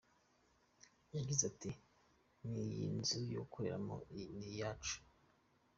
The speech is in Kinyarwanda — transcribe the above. yagize ati : “Iyi nzu yo gukoreramo ni iyacu.